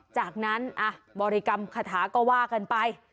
จากนั้นบริกรรมคาถาก็ว่ากันไป